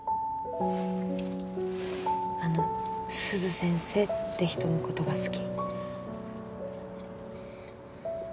あの鈴先生って人の事が好き？